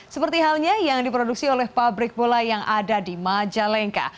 seperti halnya yang diproduksi oleh pabrik bola yang ada di majalengka